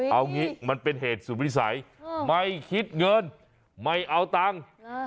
เอางี้มันเป็นเหตุสุดวิสัยไม่คิดเงินไม่เอาตังค์